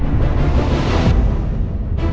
tidak kita harus ke dapur